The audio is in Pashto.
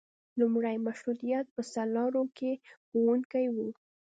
لومړي مشروطیت په سرلارو کې ښوونکي وو.